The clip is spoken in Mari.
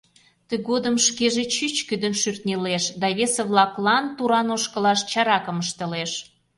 Тыгодым шкеже чӱчкыдын шӱртньылеш да весе-влаклан туран ошкылаш чаракым ыштылеш.